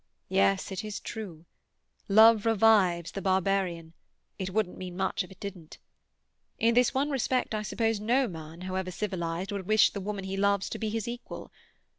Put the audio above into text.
"Yes, it is true. Love revives the barbarian; it wouldn't mean much if it didn't. In this one respect I suppose no man, however civilized, would wish the woman he loves to be his equal.